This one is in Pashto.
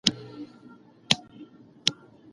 ساینسپوهان پر ژوند څېړنه کوي.